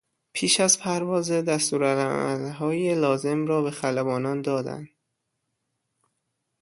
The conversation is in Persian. پیش از پرواز دستورالعملهای لازم را به خلبانان دادن